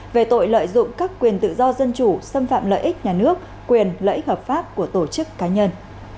về tội lợi dụng các quyền tự do dân chủ xâm phạm lợi ích nhà nước quyền lợi ích hợp pháp của tổ chức cá nhân